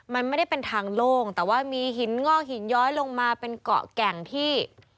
มันไม่ได้เป็นทางโล่งแต่ว่ามีหินงอกหินย้อยลงมาเป็นเกาะแก่งที่